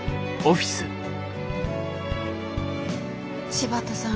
柴田さん